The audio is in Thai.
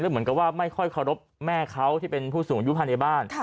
เหมือนกับว่าไม่ค่อยเคารพแม่เขาที่เป็นผู้สูงอายุภายในบ้าน